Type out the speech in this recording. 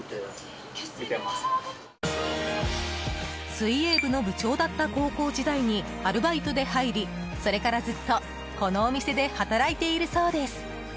水泳部の部長だった高校時代にアルバイトで入りそれからずっとこのお店で働いているそうです。